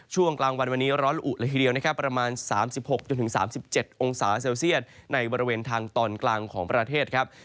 ช่วงกลางวันวันนี้ร้อนละอุเลยทีเดียวนะครับประมาณ๓๖๓๗องศาเซลเซียตในบริเวณทางตอนกลางของประเทศครับ